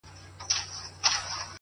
• راسه دوې سترگي مي دواړي درله دركړم ـ